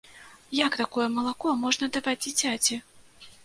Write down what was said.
Як такое малако можна даваць дзіцяці?